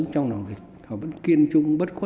trong đó có bản thân tôi